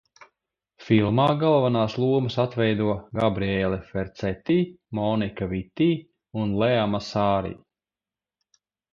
Filmā galvenās lomas atveido Gabriēle Ferceti, Monika Viti un Lea Masāri.